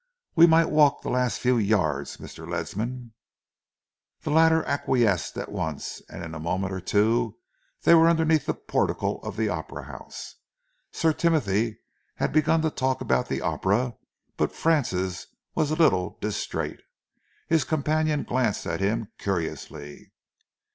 We might walk the last few yards, Mr. Ledsam." The latter acquiesced at once, and in a moment or two they were underneath the portico of the Opera House. Sir Timothy had begun to talk about the opera but Francis was a little distrait. His companion glanced at him curiously.